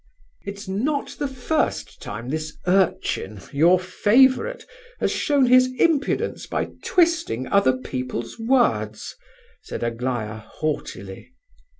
"It's not the first time this urchin, your favourite, has shown his impudence by twisting other people's words," said Aglaya, haughtily.